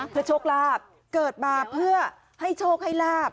เพื่อโชคลาภเกิดมาเพื่อให้โชคให้ลาบ